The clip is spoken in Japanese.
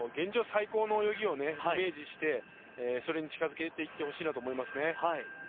最高の泳ぎをイメージしてそれに近付けていってほしいなと思いますね。